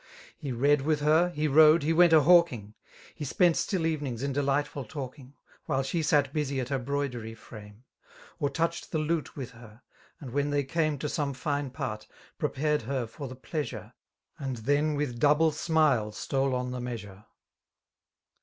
He read witii her^ he rode, he went a hawking. He spent still evenings in di^htful talking, Mlule she sat busy at her broidery frame; Or touched the lute with her, and when they came To some fine part, prepared her for the {Measure, And then with double smile stole on the noeasure.